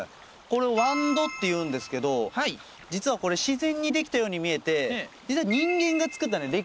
これをワンドっていうんですけど実はこれ自然に出来たように見えて実は人間が造った歴史があるんですよ。